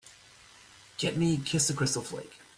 Get me Kiss the Crystal Flake